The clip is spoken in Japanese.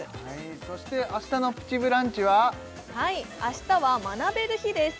そして明日の「プチブランチ」ははい明日は学べる日です